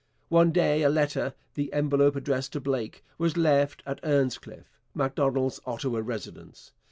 One day a letter, the envelope addressed to Blake, was left at 'Earnscliffe,' Macdonald's Ottawa residence.